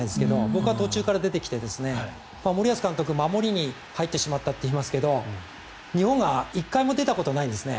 僕は途中から出てきて森保監督、守りに入ってしまったと言いますが日本が１回も出たことないんです。